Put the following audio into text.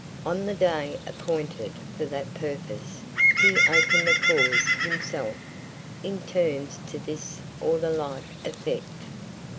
On the Day appointed for that Purpose he open'd the Cause himself, in Terms to this or the like Effect.